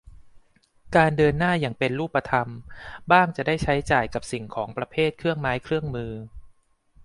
การเดินหน้าอย่างเป็นรูปธรรม บ้างจะได้ใช้จ่ายกับสิ่งของประเภทเครื่องไม้เครื่องมือ